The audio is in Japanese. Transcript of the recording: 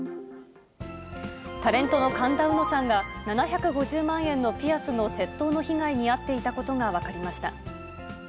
タレントの神田うのさんが、７５０万円のピアスの窃盗の被害に遭っていたことが分かりました。